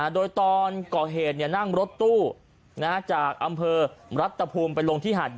โดยตอนก่อเหตุนั่งรถตู้จากอำเภอรัฐภูมิไปลงที่หาดใหญ่